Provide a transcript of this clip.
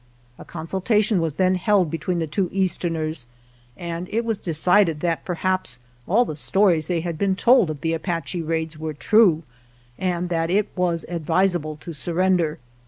A consultation was then held between the two Easterners and it was decided that perhaps all the stories they had been told of the Apache raids were true, and that it was advisable to surrender.